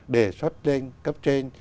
để xuất tên cấp trên